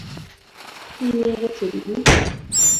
কী নিয়ে গেছে দিদি?